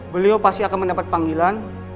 beliau pasti akan mendapat panggilan